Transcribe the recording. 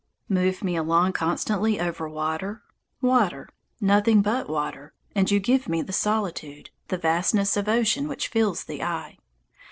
Move me along constantly over water, water, nothing but water, and you give me the solitude, the vastness of ocean which fills the eye.